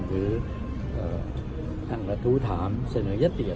หรือทั้งละทูถามเสนอยศติอะไร